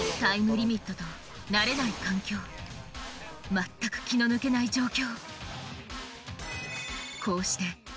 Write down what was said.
全く気の抜けない状況